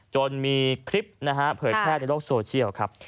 จนมีคลิปนะฮะ